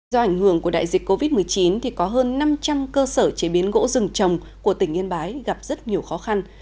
do ảnh hưởng của đại dịch covid một mươi chín có hơn năm trăm linh cơ sở chế biến gỗ rừng trồng của tỉnh yên bái gặp rất nhiều khó khăn